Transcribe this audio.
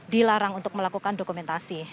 dilarang untuk melakukan dokumentasi